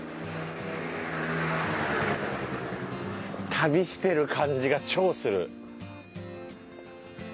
旅してる感じが超する。